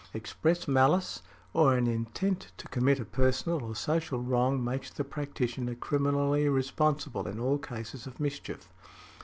Express malice, or an intent to commit a personal or social wrong, makes the practitioner criminally responsible in all cases of mischief.